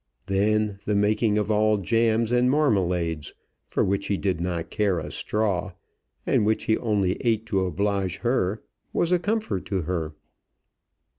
Then the making of all jams and marmalades, for which he did not care a straw, and which he only ate to oblige her, was a comfort to her.